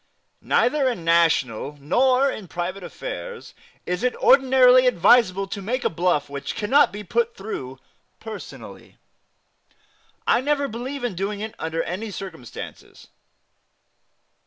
Neither in national nor in private affairs is it ordinarily advisable to make a bluff which cannot be put through personally, I never believe in doing it under any circumstances.